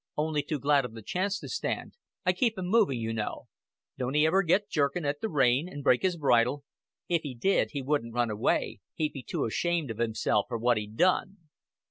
Only too glad of the chance to stand. I keep him moving, you know." "Don't he ever get jerking at the rein, and break his bridle?" "If he did he wouldn't run away. He'd be too ashamed of himself for what he'd done."